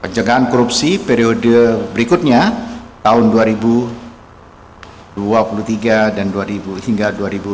penjagaan korupsi periode berikutnya tahun dua ribu dua puluh tiga hingga dua ribu dua puluh